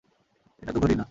এটা তো ঘড়ি না।